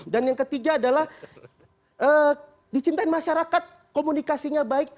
dan yang ketiga adalah dicintain masyarakat komunikasinya baik